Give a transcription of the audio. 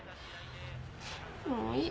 もういい。